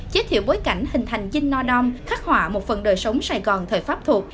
giới thiệu bối cảnh hình thành chinh no đom khắc họa một phần đời sống sài gòn thời pháp thuộc